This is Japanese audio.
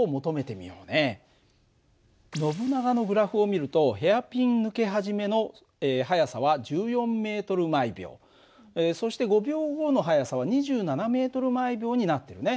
ノブナガのグラフを見るとヘアピン抜け始めの速さは１４ｍ／ｓ。そして５秒後の速さは２７ｍ／ｓになってるね。